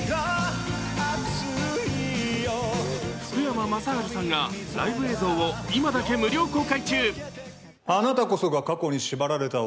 福山雅治さんがライブ映像を今だけ無料公開中。